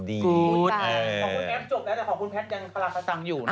ขอบคุณแอฟจบแล้วแต่ขอบคุณแพทย์ยังปรากฏังอยู่นะ